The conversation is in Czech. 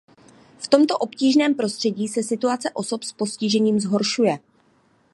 V tomto obtížném prostředí se situace osob s postižením zhoršuje.